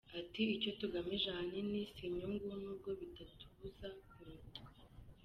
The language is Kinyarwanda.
Ati “Icyo tugamije ahanini si inyungu n’ubwo bitatubuza kunguka.